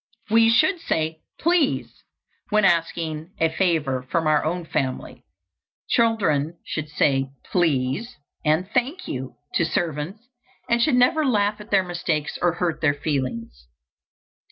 We should say "Please" when asking a favor from our own family. Children should say "Please" and "Thank you" to servants, and should never laugh at their mistakes or hurt their feelings.